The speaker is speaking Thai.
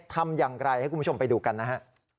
ทำอย่างไรให้คุณผู้ชมไปดูกันนะฮะ